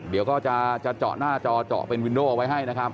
เดี๋ยวก็จะเจาะหน้าจอเจาะเป็นวินโดเอาไว้ให้นะครับ